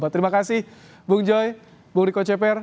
terima kasih bung joey bung rico ceper